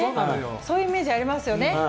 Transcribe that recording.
そういうイメージありますよね。